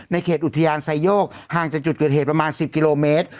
เขตอุทยานไซโยกห่างจากจุดเกิดเหตุประมาณ๑๐กิโลเมตร